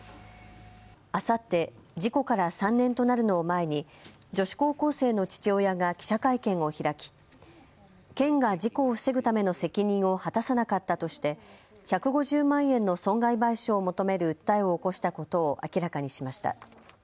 あさって事故から３年となるのを前に女子高校生の父親が記者会見を開き県が事故を防ぐための責任を果たさなかったとして１５０万円の損害賠償を求める訴えを起こしたことを明らかにしました。